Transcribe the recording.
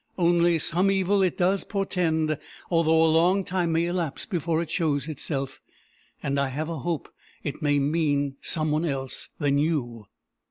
Only some evil it does portend, although a long time may elapse before it shows itself; and I have a hope it may mean some one else than you."